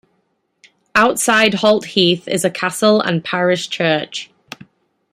Outside Holt Heath is a castle and parish church.